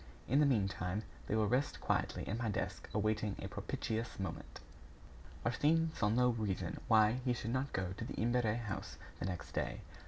In the meantime, they will rest quietly in my desk awaiting a propitious moment." Arsène saw no reason why he should not go to the Imbert house the next day.